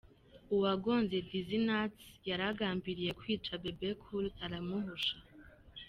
Uwagonze Dizzy Nutts yari agambiriye kwica Bebe Cool aramuhusha.